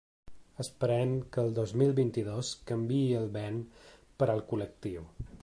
Esperem que el dos mil vint-i-dos canviï el vent per al col·lectiu.